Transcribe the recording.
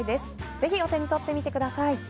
ぜひお手に取ってみてください。